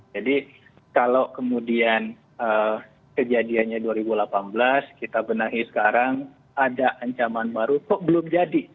jadi kalau kemudian kejadiannya dua ribu delapan belas kita benahi sekarang ada ancaman baru kok belum jadi